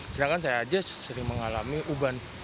sedangkan saya aja sering mengalami uban